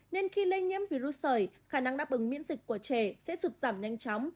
nên khi lây nhiễm virus sời khả năng đáp ứng miễn dịch của trẻ sẽ sụt giảm nhanh chóng